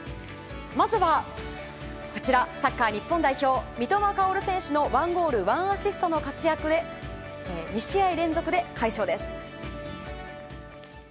まずは、サッカー日本代表三笘薫選手の１ゴール１アシストの活躍もあり２試合連続で快勝です。